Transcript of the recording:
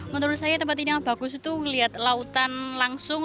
menurut saya tempat ini yang bagus itu melihat lautan langsung